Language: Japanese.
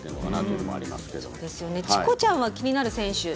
チコちゃんは気になる選手。